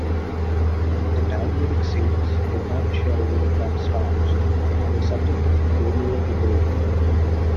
The Talmudic sages did not share a uniform stance on the subject of Paleo-Hebrew.